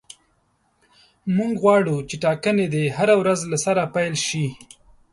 موږ غواړو چې ټاکنې دې هره ورځ له سره پیل شي.